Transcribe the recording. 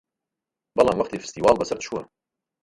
بەڵام وەختی فستیواڵ بەسەر چووە